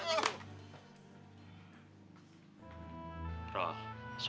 nggak mau ngehajar